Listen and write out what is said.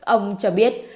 ông cho biết